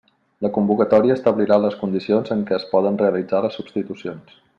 La convocatòria establirà les condicions en què es poden realitzar les substitucions.